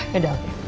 ya udah oke